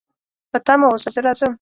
په تمه اوسه، زه راځم